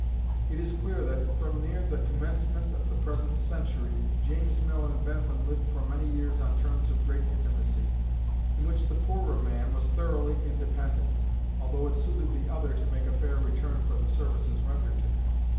It is clear, that, from near the commencement of the present century, James Mill and Bentham lived for many years on terms of great intimacy, in which the poorer man was thoroughly independent, although it suited the other to make a fair return for the services rendered to him.